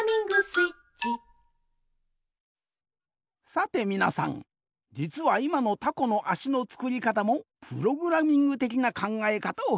さてみなさんじつはいまのタコのあしのつくりかたもプログラミングてきなかんがえかたをふくんでおる。